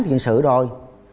thiện sự rồi